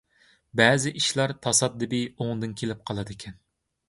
بەزى ئىشلار تاسادىپىي ئوڭدىن كېلىپ قالىدىكەن.